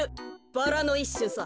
バラのいっしゅさ。